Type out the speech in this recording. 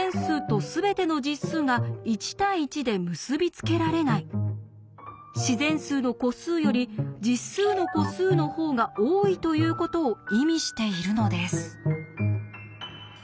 つまり「自然数の個数より実数の個数の方が多い」ということを意味しているのです。